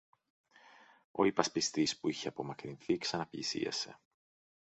Ο υπασπιστής, που είχε απομακρυνθεί, ξαναπλησίασε.